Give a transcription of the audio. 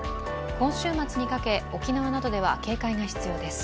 今週末にかけ、沖縄などでは警戒が必要です。